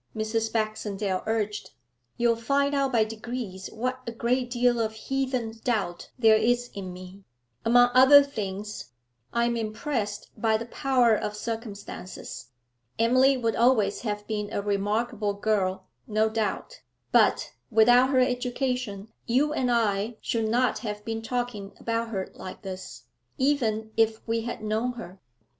Mrs. Baxendale urged. 'You'll find out by degrees what a great deal of heathen doubt there is in me; among other things, I am impressed by the power of circumstances. Emily would always have been a remarkable girl, no doubt; but, without her education, you and I should not have been talking about her like this, even if we had known her.